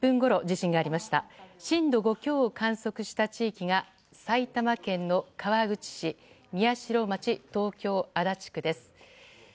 震度５強を観測した地域が埼玉県の川口市、宮代町東京・足立区です。